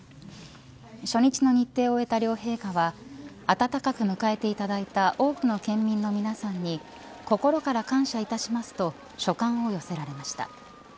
初日の日程を終えた両陛下は温かく迎えていただいた多くの県民の皆さんに心から感謝いたしますと所感を寄せられました。